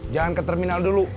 jangan ke terminal dulu